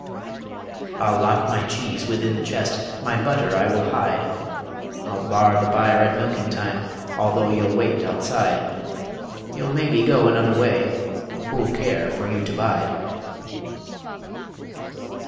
I'll lock my cheese within the chest, My butter I will hide; I'll bar the byre at milking time, Although you'll wait outside You'll maybe go another way Who'll care for you to bide?